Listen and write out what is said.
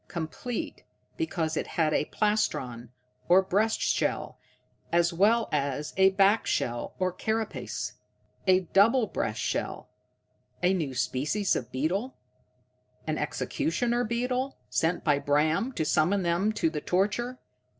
Complete, because it had a plastron, or breast shell, as well as a back shell, or carapace. A double breast shell! A new species of beetle? An executioner beetle, sent by Bram to summon them to the torture?